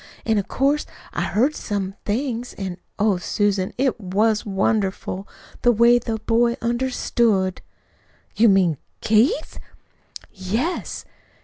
An' of course I heard some things. An', oh, Susan, it was wonderful, the way that boy understood." "You mean Keith?" "Yes.